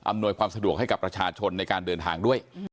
นวยความสะดวกให้กับประชาชนในการเดินทางด้วย